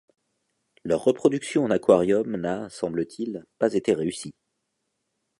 Leur reproduction en aquarium, n'a, semble-t-il, pas été réussie.